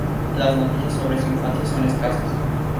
Las noticias sobre su infancia son escasas.